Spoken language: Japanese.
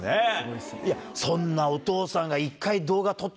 そんなお父さんが。